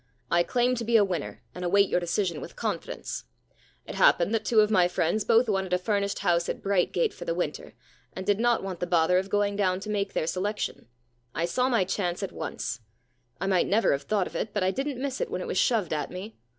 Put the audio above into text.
I claim to be a winner, and await your decision with confidence. It happened that two of my friends both wanted a furnished house at 59 The Problem Club Brightgatc for the winter, and did not want the bother of going down to make their selec tion. I saw my chance at once. I might never have thought of it, but I didn't miss it when it was shoved at me.